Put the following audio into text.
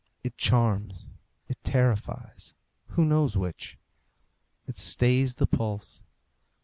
It charms, it terrifies; who knows which? It stays the pulse.